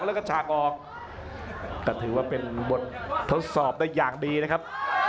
แล้วก็ฉากออกแต่ถือว่าเป็นบททดสอบได้อย่างดีนะครับ